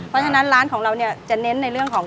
เพราะฉะนั้นร้านของเราเนี่ยจะเน้นในเรื่องของ